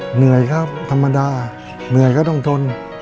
เหนื่อยครับธรรมดาเหนื่อยก็ต้องทน